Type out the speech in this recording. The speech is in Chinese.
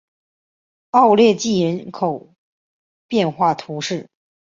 奥勒济人口变化图示